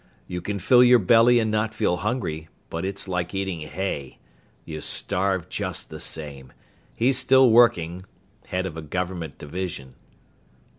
You can fill your belly and not feel hungry, but it's like eating hay. You starve just the same. He's still working. Head of a government division."